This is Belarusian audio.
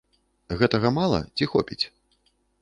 Гэтага мала ці хопіць?